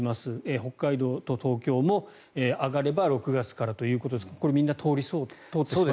北海道と東京も上がれば６月からということですがこれみんな通ってしまいそうということですか。